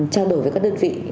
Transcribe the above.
trao đổi với các đơn vị